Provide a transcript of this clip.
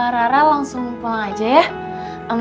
rara langsung pulang aja ya